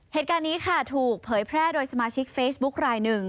เหตุการณ์นี้ค่ะถูกเผยแพร่โดยสมาชิกเฟซบุ๊คลายหนึ่ง